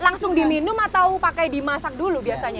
langsung diminum atau pakai dimasak dulu biasanya